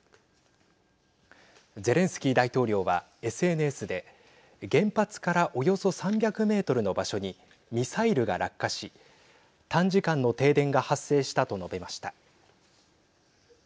ゼレンスキー大統領は、ＳＮＳで原発からおよそ３００メートルの場所にミサイルが落下し短時間の停電が発生したと述べました。